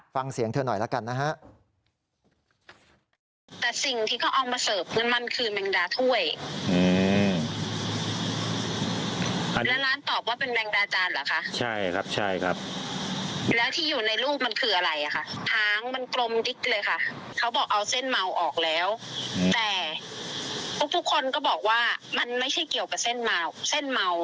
ฟังเสียงเธอหน่อยแล้วกัน